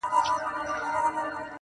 د شگو بند اوبه وړي.